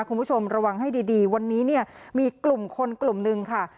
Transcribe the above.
คุณผู้ชมระวังให้ดีวันนี้เนี่ยมีกลุ่มคนกลุ่มหนึ่งค่ะ